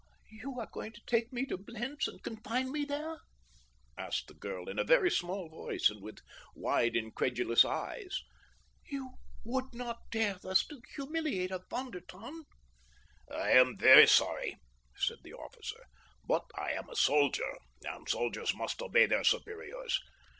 "You are going to take me to Blentz and confine me there?" asked the girl in a very small voice and with wide incredulous eyes. "You would not dare thus to humiliate a Von der Tann?" "I am very sorry," said the officer, "but I am a soldier, and soldiers must obey their superiors.